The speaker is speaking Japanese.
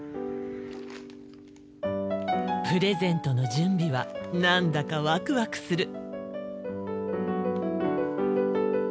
プレゼントの準備は何だかワクワクする。